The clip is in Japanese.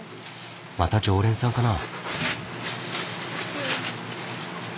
また常連さんかな？